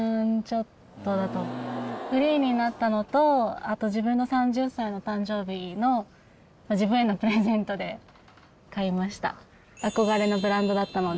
フリーになったのとあと自分の３０歳の誕生日の自分へのプレゼントで買いました。